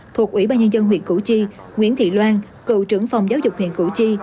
thuộc ủy ban nhân dân huyện củ chi nguyễn thị loan cựu trưởng phòng giáo dục huyện củ chi